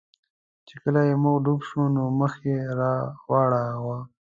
چې کله یې مخه ډب شوه، نو مخ یې را واړاوه.